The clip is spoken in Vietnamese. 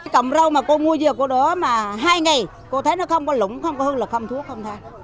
cổng rau mà cô mua dừa của đó mà hai ngày cô thấy nó không có lúng không có hư là không thuốc không tha